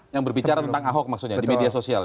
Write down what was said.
yang berbicara tentang ahok maksudnya di media sosial ya